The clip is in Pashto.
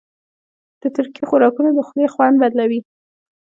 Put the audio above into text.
د ترکي خوراکونه د خولې خوند بدلوي.